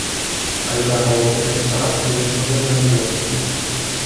Idaho je stát průmyslově zemědělský.